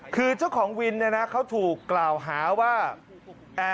คือเจ้าของวินเนี่ยนะเขาถูกกล่าวหาว่า